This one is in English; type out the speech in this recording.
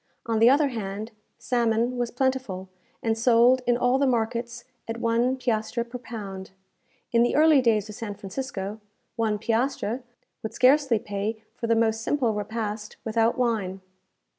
On the other hand, salmon was plentiful, and sold in all the markets at one piastre per pound. In the early days of San Francisco, one piastre would scarcely pay for the most simple repast without wine.